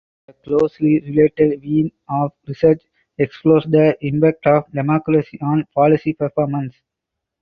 A closely related vein of research explores the impact of democracy on policy performance.